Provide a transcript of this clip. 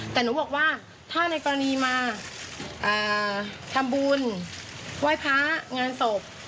แต่หนูบอกว่าถ้าในกรณีมาทำบุญไหว้พระงานศพ